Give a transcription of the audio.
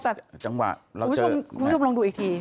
แต่คุณผู้ชมลองดูอีกที